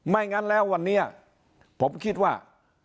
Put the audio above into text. งั้นแล้ววันนี้ผมคิดว่า